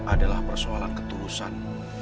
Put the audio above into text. adalah persoalan ketulusan